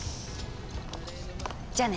じゃあね。